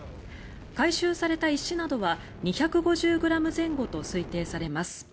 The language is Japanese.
回収された石などは２５０ｇ前後と推定されます。